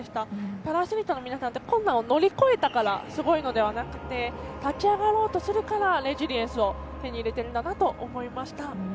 パラアスリートの皆さんって困難を乗り越えたからすごいのではなくて立ち上がろうとするからレジリエンスを手に入れているんだなと思いました。